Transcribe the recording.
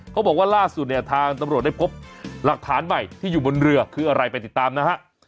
เขาบอกว่าล่าสุดเนี่ยทางตำรวจได้พบหลักฐานใหม่ที่อยู่บนเรือคืออะไรไปติดตามนะฮะ